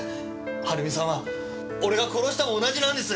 はるみさんは俺が殺したも同じなんです！